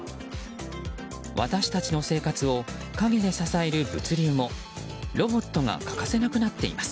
私たちの生活を陰で支える物流もロボットが欠かせなくなっています。